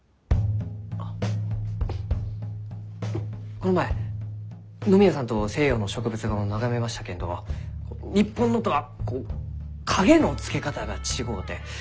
この前野宮さんと西洋の植物画を眺めましたけんど日本のとはこう影のつけ方が違うて。